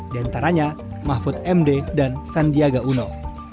diantaranya mahfud md dan sandiaga uno